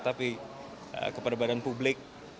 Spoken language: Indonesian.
tapi kepada badan publik